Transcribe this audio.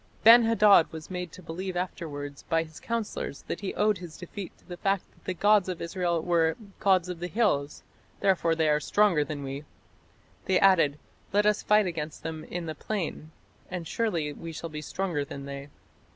Ben hadad was made to believe afterwards by his counsellors that he owed his defeat to the fact that the gods of Israel were "gods of the hills; therefore they are stronger than we". They added: "Let us fight against them in the plain, and surely we shall be stronger than they".